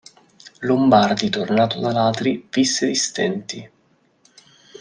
Lombardi tornato ad Alatri visse di stenti.